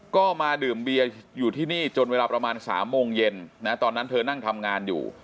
ก็มาดื่มเบียร์อยู่ที่นี่จนเวลาประมาณ๓โมงเย็นนะตอนนั้นเธอนั่งทำงานอยู่